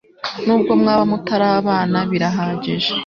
nubwo mwaba mutarabana birahagije